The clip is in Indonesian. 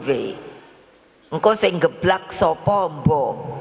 engkau segeblak sopo mbo